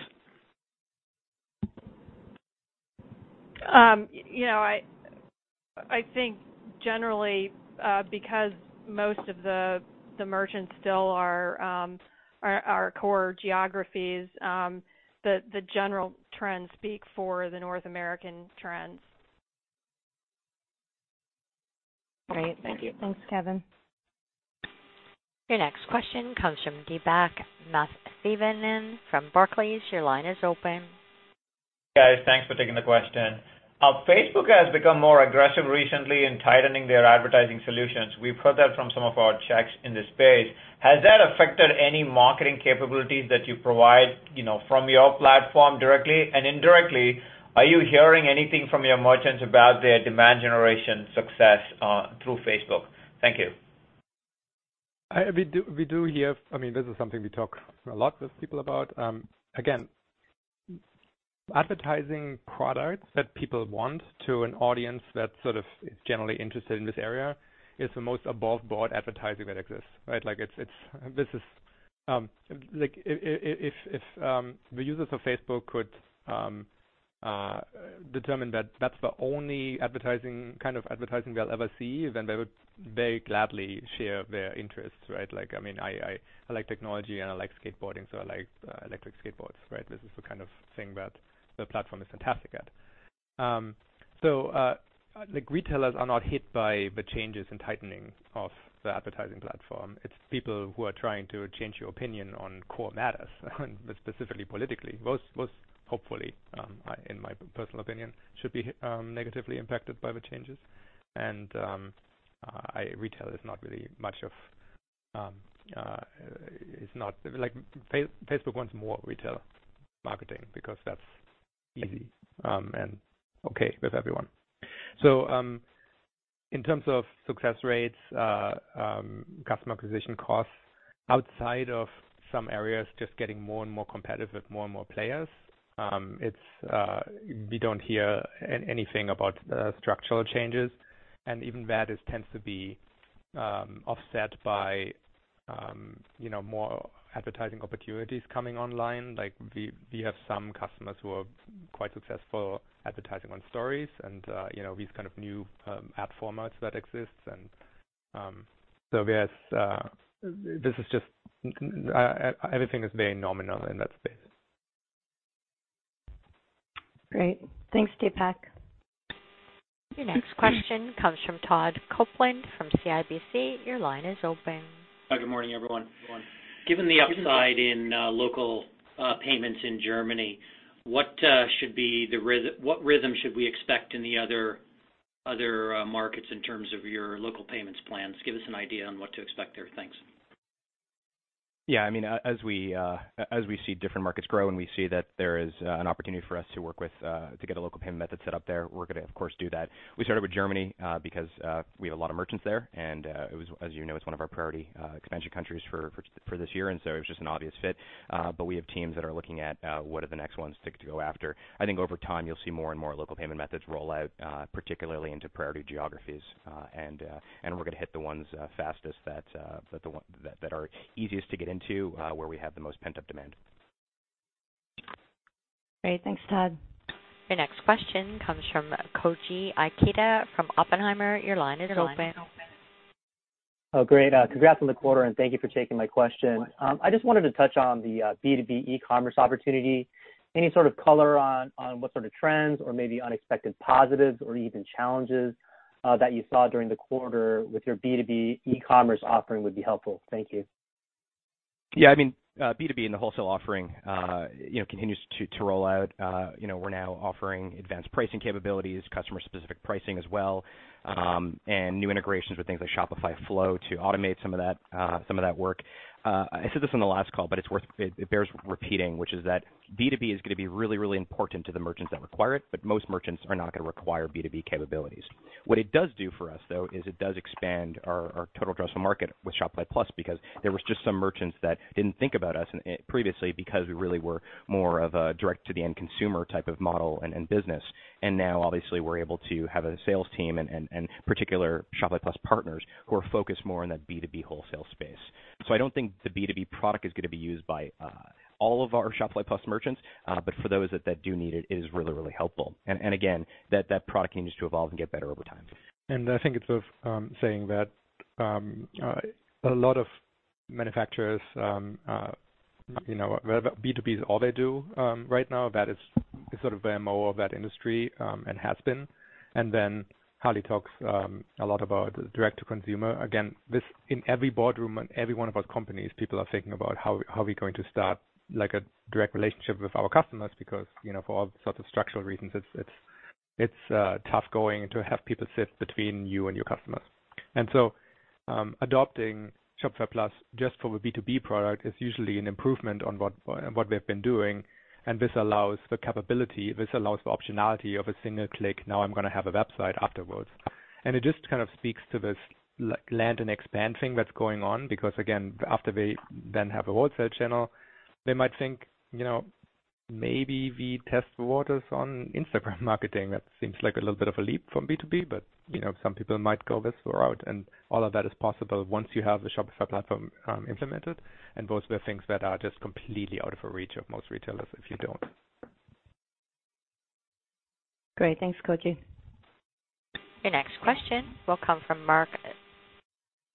You know, I think generally, because most of the merchants still are core geographies, the general trends speak for the North American trends. Great. Thank you. Thanks, Kevin. Your next question comes from Deepak Mathivanan from Barclays. Your line is open. Guys, thanks for taking the question. Facebook has become more aggressive recently in tightening their advertising solutions. We've heard that from some of our checks in this space. Has that affected any marketing capabilities that you provide, you know, from your platform directly? Indirectly, are you hearing anything from your merchants about their demand generation success through Facebook? Thank you. We do hear, I mean, this is something we talk a lot with people about. Again, advertising products that people want to an audience that sort of is generally interested in this area is the most aboveboard advertising that exists, right? Like, it's, this is, like, if the users of Facebook could determine that that's the only advertising, kind of advertising they'll ever see, then they would very gladly share their interests, right? Like, I mean, I like technology and I like skateboarding, so I like electric skateboards, right? This is the kind of thing that the platform is fantastic at. Like, retailers are not hit by the changes in tightening of the advertising platform. It's people who are trying to change your opinion on core matters, specifically politically, most hopefully, in my personal opinion, should be negatively impacted by the changes. Retail is not really much of, it's not like Facebook wants more retail marketing because that's easy and okay with everyone. In terms of success rates, customer acquisition costs, outside of some areas just getting more and more competitive with more and more players, we don't hear anything about structural changes, and even that tends to be offset by, you know, more advertising opportunities coming online. We have some customers who are quite successful advertising on stories and, you know, these kind of new app formats that exist. Yes, this is just, everything is very nominal in that space. Great. Thanks, Deepak. Your next question comes from Todd Coupland from CIBC. Your line is open. Hi, good morning, everyone. Given the upside in local payments in Germany, what rhythm should we expect in the other markets in terms of your local payments plans? Give us an idea on what to expect there. Thanks. Yeah, I mean, as we see different markets grow and we see that there is an opportunity for us to work with to get a local payment method set up there, we're gonna, of course, do that. We started with Germany because we have a lot of merchants there, and it was as you know, it's one of our priority expansion countries for this year, and so it was just an obvious fit. We have teams that are looking at what are the next ones to go after. I think over time, you'll see more and more local payment methods roll out particularly into priority geographies. We're gonna hit the ones fastest that the one that are easiest to get into, where we have the most pent-up demand. Great. Thanks, Todd. Your next question comes from Koji Ikeda from Oppenheimer. Your line is open. Oh, great. Congrats on the quarter, and thank you for taking my question. I just wanted to touch on the B2B e-commerce opportunity. Any sort of color on what sort of trends or maybe unexpected positives or even challenges that you saw during the quarter with your B2B e-commerce offering would be helpful. Thank you. I mean, B2B and the wholesale offering, you know, continues to roll out. You know, we're now offering advanced pricing capabilities, customer-specific pricing as well, and new integrations with things like Shopify Flow to automate some of that, some of that work. I said this on the last call, but it's worth it bears repeating, which is that B2B is gonna be really, really important to the merchants that require it, but most merchants are not gonna require B2B capabilities. What it does do for us, though, is it does expand our total addressable market with Shopify Plus, because there was just some merchants that didn't think about us in previously because we really were more of a direct to the end consumer type of model and business. Now, obviously, we're able to have a sales team and particular Shopify Plus partners who are focused more on that B2B wholesale space. I don't think the B2B product is gonna be used by all of our Shopify Plus merchants, but for those that do need it is really, really helpful. Again, that product continues to evolve and get better over time. I think it's worth saying that a lot of manufacturers. You know, B2B is all they do right now. That is sort of the MO of that industry and has been. Harley talks a lot about direct to consumer. Again, this, in every boardroom in every one of our companies, people are thinking about how are we going to start, like, a direct relationship with our customers because, you know, for all sorts of structural reasons, it's tough going to have people sit between you and your customers. Adopting Shopify Plus just for the B2B product is usually an improvement on what they've been doing, and this allows the capability, this allows the optionality of a single click. Now I'm gonna have a website afterwards. It just kind of speaks to this land and expand thing that's going on because, again, after they then have a wholesale channel, they might think, you know, maybe we test the waters on Instagram marketing. That seems like a little bit of a leap from B2B, but you know, some people might go this route. All of that is possible once you have the Shopify platform implemented, and those were things that are just completely out of a reach of most retailers if you don't. Great. Thanks, Koji. Your next question will come from Mark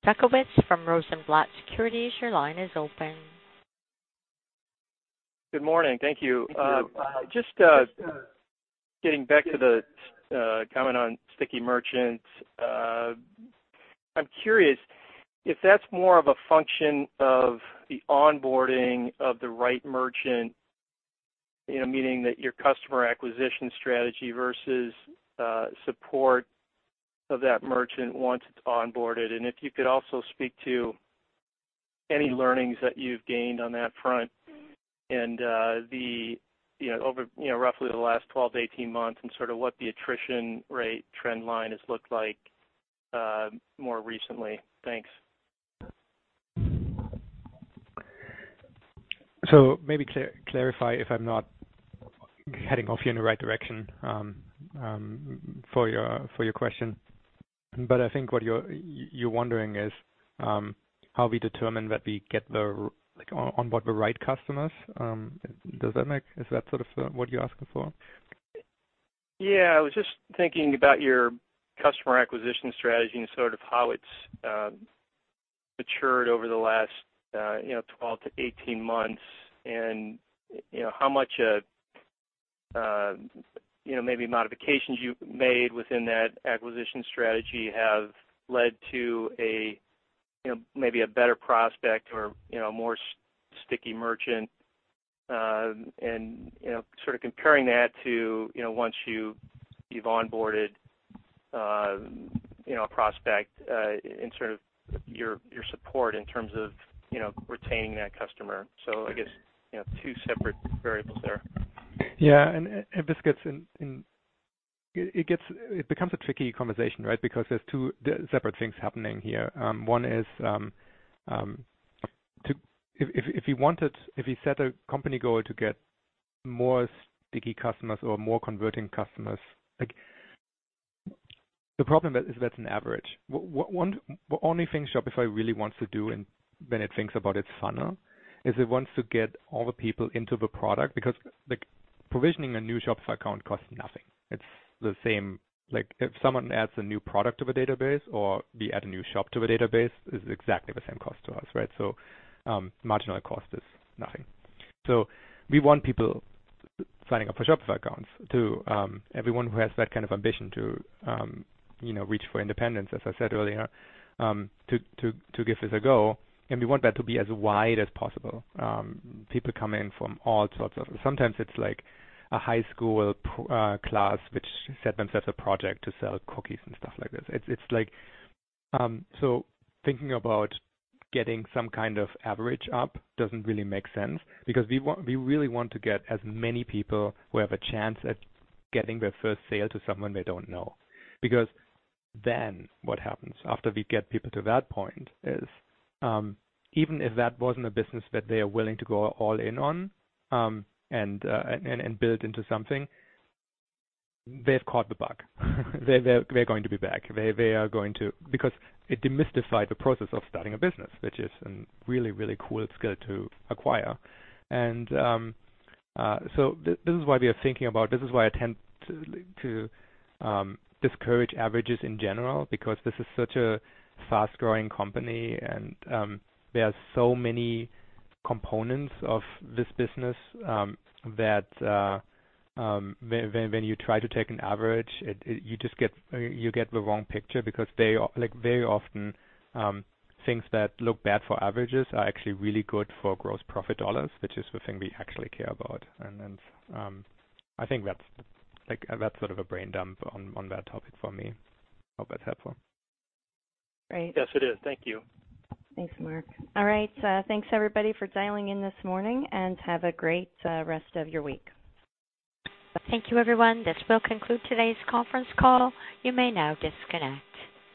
Zgutowicz from Rosenblatt Securities. Your line is open. Good morning. Thank you. Thank you. Just getting back to the comment on sticky merchants, I'm curious if that's more of a function of the onboarding of the right merchant, you know, meaning that your customer acquisition strategy versus support of that merchant once it's onboarded. If you could also speak to any learnings that you've gained on that front and the, you know, over, you know, roughly the last 12 to 18 months and sort of what the attrition rate trend line has looked like more recently. Thanks. Maybe clarify if I'm not heading off you in the right direction, for your question, but I think what you're wondering is how we determine on what the right customers, Is that sort of what you're asking for? Yeah. I was just thinking about your customer acquisition strategy and sort of how it's matured over the last, you know, 12 to 18 months and, you know, how much, you know, maybe modifications you've made within that acquisition strategy have led to a, you know, maybe a better prospect or, you know, more sticky merchant. And, you know, sort of comparing that to, you know, once you've onboarded, you know, a prospect, and sort of your support in terms of, you know, retaining that customer. Right You know, two separate variables there. Yeah. This becomes a tricky conversation, right? There's two separate things happening here. One is, if you set a company goal to get more sticky customers or more converting customers. Like the problem is that's an average. The only thing Shopify really wants to do and when it thinks about its funnel is it wants to get all the people into the product because like provisioning a new Shopify account costs nothing. It's the same Like if someone adds a new product to the database or we add a new shop to the database, it's exactly the same cost to us, right? Marginal cost is nothing. We want people signing up for Shopify accounts to, everyone who has that kind of ambition to, you know, reach for independence, as I said earlier, to give this a go. We want that to be as wide as possible. People come in from all sorts of Sometimes it's like a high school class which set themselves a project to sell cookies and stuff like this. It's like, so thinking about getting some kind of average up doesn't really make sense because we really want to get as many people who have a chance at getting their first sale to someone they don't know. Then what happens after we get people to that point is, even if that wasn't a business that they are willing to go all in on, and build into something, they've caught the bug. They're going to be back because it demystified the process of starting a business, which is a really, really cool skill to acquire. So this is why we are thinking about, this is why I tend to discourage averages in general because this is such a fast-growing company and, there are so many components of this business, that, when you try to take an average, it, you just get, you get the wrong picture because they like very often, things that look bad for averages are actually really good for gross profit dollars, which is the thing we actually care about. Then, I think that's like, that's sort of a brain dump on that topic for me. Hope that's helpful. Great. Yes, it is. Thank you. Thanks, Mark. All right. Thanks everybody for dialing in this morning, and have a great rest of your week. Thank you, everyone. This will conclude today's conference call. You may now disconnect.